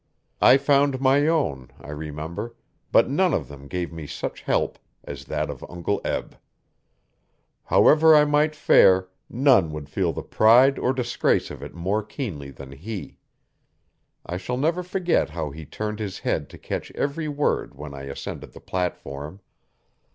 I found my own, I remember, but none of them gave me such help as that of Uncle Eb. However I might fare, none would feel the pride or disgrace of it more keenly than he. I shall never forget how he turned his head to catch every word when I ascended the platform.